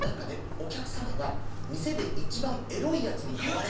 お客様が店で一番エロい奴に代われって。